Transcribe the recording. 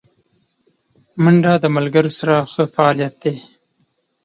منډه د ملګرو سره ښه فعالیت دی